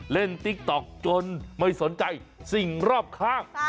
ติ๊กต๊อกจนไม่สนใจสิ่งรอบข้าง